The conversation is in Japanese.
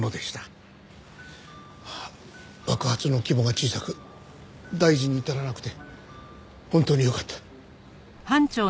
爆発の規模が小さく大事に至らなくて本当によかった。